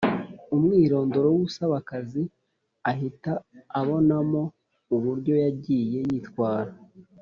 umwirondoro w’usaba akazi, ahita abonamo uburyo yagiye yitwara